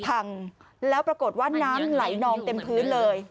พังแล้วปรากฏว่าน้ำไหลนองเต็มพื้นเลย